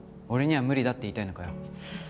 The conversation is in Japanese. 俺には無理だって言いたいのかよ。